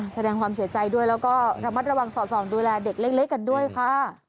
แสดงความเสียใจด้วยแล้วก็ระมัดระวังสอดส่องดูแลเด็กเล็กกันด้วยค่ะ